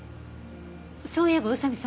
そういえば宇佐見さん